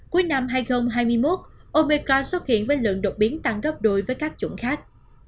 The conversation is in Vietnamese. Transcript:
cuối năm hai nghìn hai mươi một opecra xuất hiện với lượng đột biến tăng gấp đôi với các chủng khác